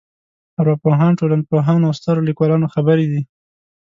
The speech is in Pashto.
ارواپوهانو ټولنپوهانو او سترو لیکوالانو خبرې دي.